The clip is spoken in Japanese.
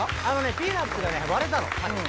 ピーナッツがね割れたの。